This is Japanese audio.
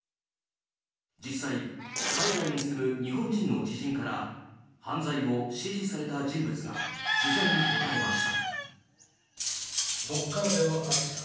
実際海外に住む日本人の知人から犯罪を指示された人物が取材に答えました。